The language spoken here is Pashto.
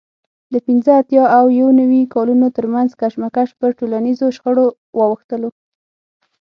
د پینځه اتیا او یو نوي کالونو ترمنځ کشمکش پر ټولنیزو شخړو واوښتلو